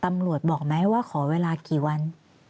ตำรวจบอกไหมว่าขอเวลากี่วัน